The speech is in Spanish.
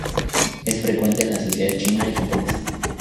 Es frecuente en la sociedad china y japonesa.